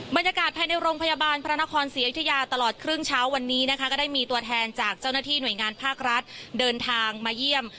บรรยากาศภายในโรงพยาบาลพระนครศรีอยุธยาตลอดครึ่งเช้าวันนี้นะคะก็ได้มีตัวแทนจากเจ้าหน้าที่หน่วยงานภาครัฐเดินทางมาเยี่ยม